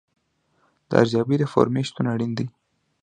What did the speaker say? د ارزیابۍ د فورمې شتون اړین دی.